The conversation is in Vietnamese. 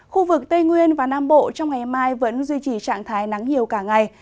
khu vực tây nguyên và nam bộ trong ngày mai vẫn duy trì trạng thái nắng nhiều cả ngày